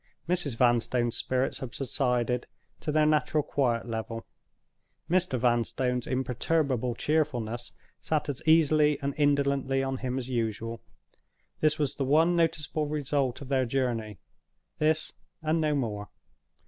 Mrs. Vanstone's spirits had subsided to their natural quiet level; Mr. Vanstone's imperturbable cheerfulness sat as easily and indolently on him as usual. This was the one noticeable result of their journey—this, and no more.